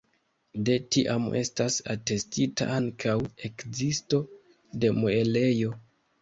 De tiam estas atestita ankaŭ ekzisto de muelejo.